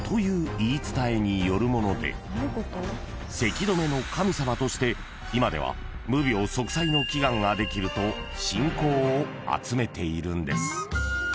言い伝えによるもので咳止めの神様として今では無病息災の祈願ができると信仰を集めているんです］